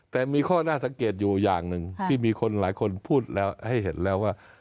แต่มีข้อน่าสังเกตอยู่อย่างหนึ่งที่มีคนหลายคนพูดแล้วให้เห็นแล้วว่า